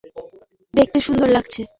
দেখতে সুন্দর লাগছে।